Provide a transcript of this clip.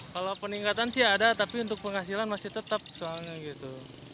kalau peningkatan sih ada tapi untuk penghasilan masih tetap soalnya gitu